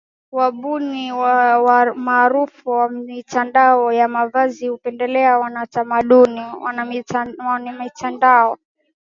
Wabuni maarufu wa mitindo ya mavazi hupendelea wanamitindo